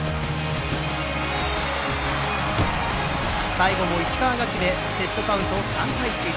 最後も石川が決めセットカウント３対１。